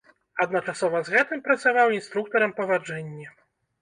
Адначасова з гэтым працаваў інструктарам па ваджэнні.